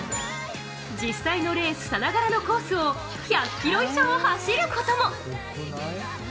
実際のレースさながらのコースを１００ｋｍ以上走ることも。